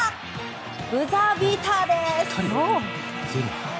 ブザービーターです。